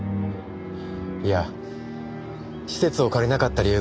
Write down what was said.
いや施設を借りなかった理由が気になって。